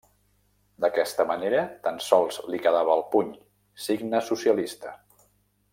D'aquesta manera tan sols li quedava el puny, signe socialista.